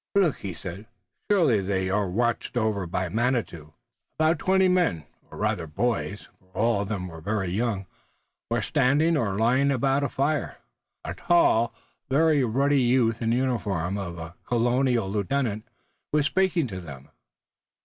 "Look!" he said. "Surely they are watched over by Manitou!" About twenty men, or rather boys, for all of them were very young, were standing or lying about a fire. A tall, very ruddy youth in the uniform of a colonial lieutenant was speaking to them.